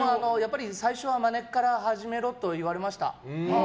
最初はまねから始めろと言われました。